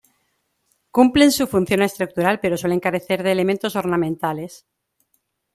Cumplen su función estructural, pero suelen carecer de elementos ornamentales.